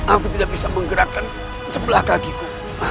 aku tidak bisa menggerakkan sebelah kakiku